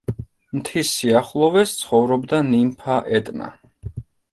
მთის სიახლოვეს ცხოვრობდა ნიმფა ეტნა.